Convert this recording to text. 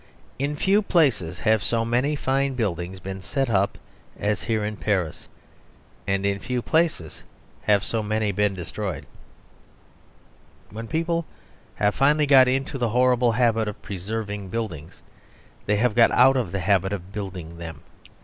In few places have so many fine public buildings been set up as here in Paris, and in few places have so many been destroyed. When people have finally got into the horrible habit of preserving buildings, they have got out of the habit of building them.